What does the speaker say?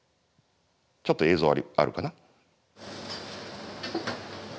ちょっと映像あるかな。